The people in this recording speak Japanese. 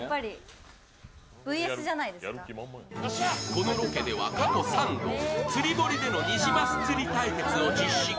このロケでは過去３度、釣堀でもニジマス釣り対決を実施。